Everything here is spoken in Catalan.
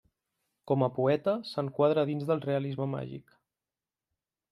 Com a poeta s'enquadra dins del realisme màgic.